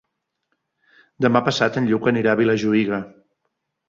Demà passat en Lluc anirà a Vilajuïga.